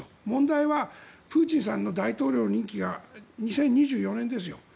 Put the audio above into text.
問題はプーチンさんの大統領任期が２０２４年ですよ。